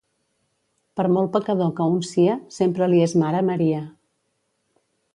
Per molt pecador que un sia, sempre li és mare Maria.